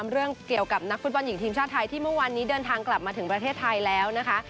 เรื่องเกี่ยวกับนักฟุตบอลหญิงทีมชาติไทยที่เมื่อวานนี้เดินทางกลับมาถึงประเทศไทยแล้วนะคะ